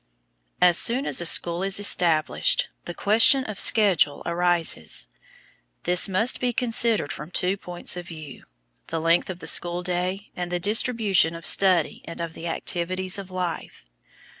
As soon as a school is established, the question of schedule arises. This must be considered from two points of view; the length of the school day and the distribution of study and of the activities of life.